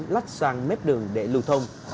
lách sang mếp đường để lưu thông